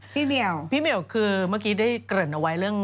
เหมียวพี่เหมียวคือเมื่อกี้ได้เกริ่นเอาไว้เรื่อง